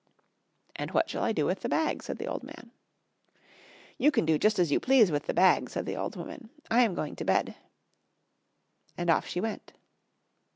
"And what shall I do with the bag?" said the old man. "You can do just as you please with the bag," said the old woman; "I am going to bed." And off she went.